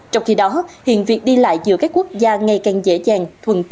trong khi đó hiện việc đi lại giữa các quốc gia ngày càng dễ dàng